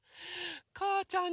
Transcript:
かーちゃん